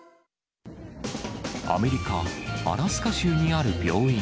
アメリカ・アラスカ州にある病院。